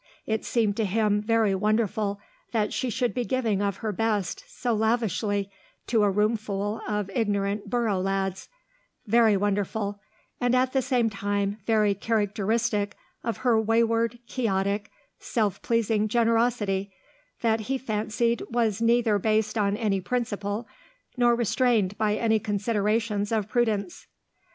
It seemed to him very wonderful that she should be giving of her best so lavishly to a roomful of ignorant Borough lads; very wonderful, and at the same time very characteristic of her wayward, quixotic, self pleasing generosity, that he fancied was neither based on any principle, nor restrained by any considerations of prudence.